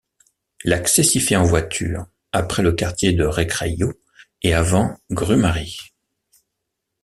L'accès s'y fait en voiture, après le quartier de Recreio et avant Grumari.